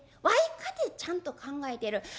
わいかてちゃんと考えてる。